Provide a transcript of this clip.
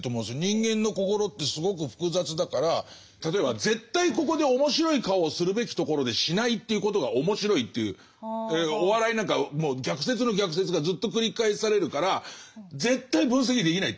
人間の心ってすごく複雑だから例えば絶対ここで面白い顔をするべきところでしないということが面白いっていうお笑いなんかもう逆説の逆説がずっと繰り返されるから絶対分析できないと思うんです